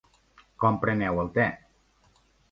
Com preneu el te?